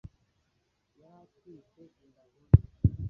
yari atwite inda nkuru